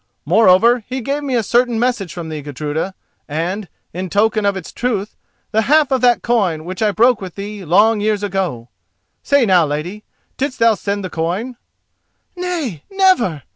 Moreover, he gave me a certain message from thee, Gudruda, and, in token of its truth, the half of that coin which I broke with thee long years ago. Say now, lady, didst thou send the coin?" "Nay, never!"